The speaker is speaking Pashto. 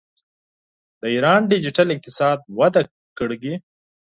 د ایران ډیجیټل اقتصاد وده کړې.